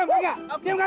hei jangan terlihat